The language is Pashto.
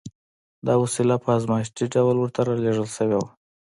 دا وسيله په ازمايښتي ډول ورته را لېږل شوې وه.